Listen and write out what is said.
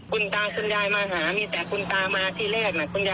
คุณตาว่ามานี่มานี่มาอวยปนให้ตาหน่อย